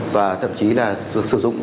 và thậm chí là sử dụng